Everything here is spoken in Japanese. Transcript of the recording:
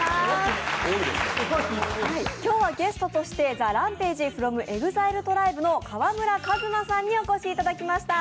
今日はゲストとしてＴＨＥＲＡＭＰＡＧＥｆｒｏｍＥＸＩＬＥＴＲＩＢＥの川村壱馬さんにお越しいただきました。